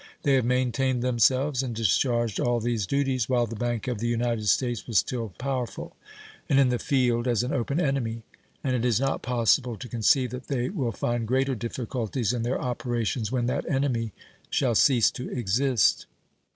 They have maintained themselves and discharged all these duties while the Bank of the United States was still powerful and in the field as an open enemy, and it is not possible to conceive that they will find greater difficulties in their operations when that enemy shall cease to exist.